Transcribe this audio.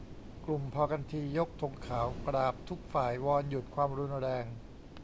กลุ่มพอกันที ! ยกธงขาว กราบทุกฝ่าย วอนหยุดความรุนแรง